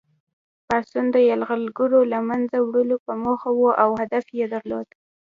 پاڅون د یرغلګرو له منځه وړلو په موخه وو او هدف یې درلود.